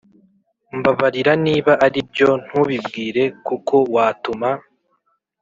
mbabarira niba aribyo ntubibwire kuko watuma